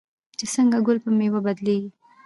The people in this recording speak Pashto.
چې څنګه ګل په میوه بدلیږي.